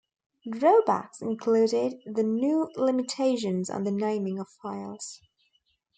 Drawbacks included the new limitations on the naming of files.